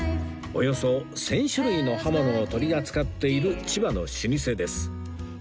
およそ１０００種類の刃物を取り扱っている千葉の老舗です